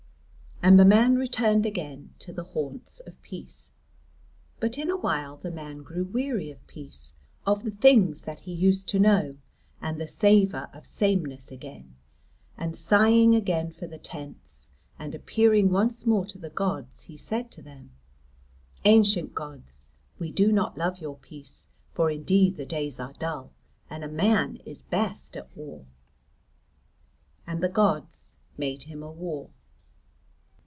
And the man returned again to the haunts of peace. But in a while the man grew weary of peace, of the things that he used to know, and the savour of sameness again; and sighing again for the tents, and appearing once more to the gods, he said to them: "Ancient gods; we do not love your peace, for indeed the days are dull, and a man is best at war." And the gods made him a war.